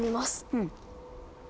うん。